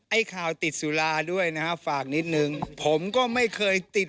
ไอ้ข่าวติดสุราด้วยนะฮะฝากนิดนึงผมก็ไม่เคยติด